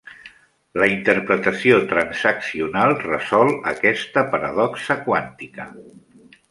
La interpretació transaccional resol aquesta paradoxa quàntica.